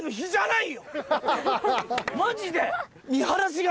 マジで。